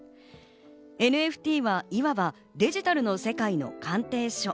ＮＦＴはいわばデジタルの世界の鑑定書。